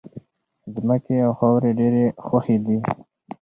ځمکې او خاورې ډېرې خوښې دي.